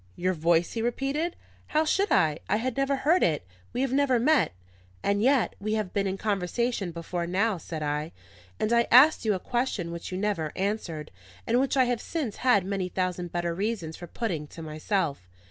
"Your voice?" he repeated. "How should I? I had never heard it we have never met." "And yet, we have been in conversation before now," said I, "and I asked you a question which you never answered, and which I have since had many thousand better reasons for putting to myself."